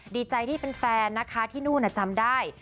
ดีใจที่เป็นแฟนนะคะที่นู่นจำได้